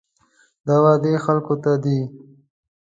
دا وعدې خلکو ته دي.